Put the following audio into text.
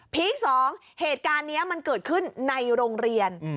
๒เหตุการณ์นี้มันเกิดขึ้นในโรงเรียน